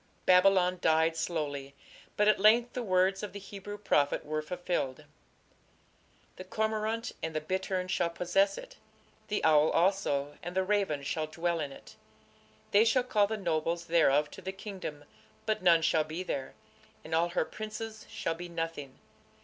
Babylon died slowly, but at length the words of the Hebrew prophet were fulfilled: The cormorant and the bittern shall possess it; the owl also and the raven shall dwell in it.... They shall call the nobles thereof to the kingdom, but none shall be there, and all her princes shall be nothing.